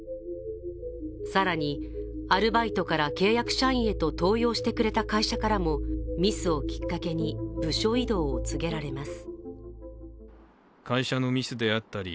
更に、アルバイトから契約社員へと登用してくれた会社からもミスをきっかけに、部署異動を告げられます。